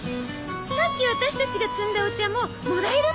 さっきワタシたちが摘んだお茶ももらえるんですよね？